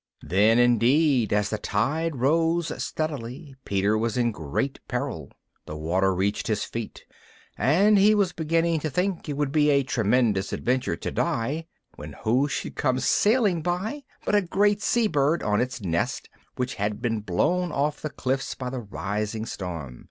Then indeed, as the tide rose steadily, Peter was in great peril. The water reached his feet, and he was beginning to think it would be a "tremendous adventure to die," when who should come sailing by but a great sea bird on its nest, which had been blown off the cliffs by the rising storm.